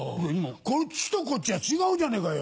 こっちとこっちは違うじゃねえかよ！